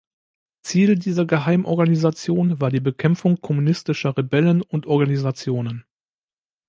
Ziel dieser Geheimorganisation war die Bekämpfung kommunistischer Rebellen und Organisationen.